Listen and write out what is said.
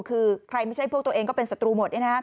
คือใครไม่ใช่พวกตัวเองก็เป็นศัตรูหมด